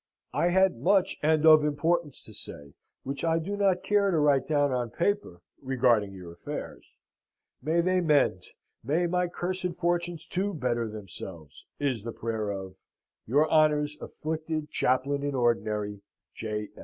"I had much and of importance to say, which I do not care to write down on paper regarding your affairs. May they mend! May my cursed fortunes, too, better themselves, is the prayer of "Your honour's afflicted Chaplain in Ordinary, J.